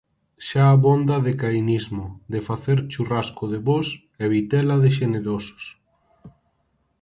Xa abonda de cainismo, de facer churrasco de bos e vitela de xenerosos.